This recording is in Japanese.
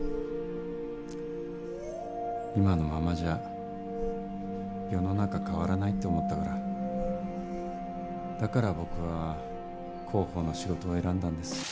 今のままじゃ世の中変わらないって思ったからだから、僕は広報の仕事を選んだんです。